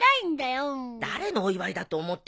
誰のお祝いだと思ってるのよ。